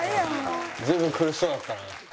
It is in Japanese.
随分苦しそうだったな。